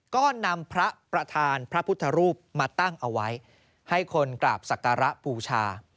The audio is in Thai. ก็นำพระประธานพระพุทธรูปมาตั้งเอาไว้ให้คนกราบศักระบูชา